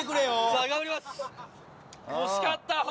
惜しかった。